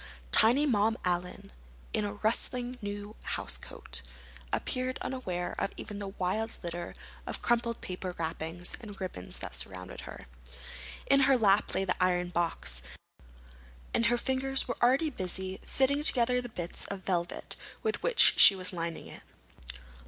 Tiny Mom Allen, in a rustling new housecoat, appeared unaware of even the wild litter of crumpled paper wrappings and ribbons that surrounded her. In her lap lay the iron box, and her fingers were already busy fitting together the bits of velvet with which she was lining it.